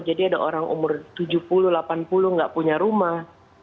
jadi ada orang umur tujuh puluh delapan puluh nggak punya rumah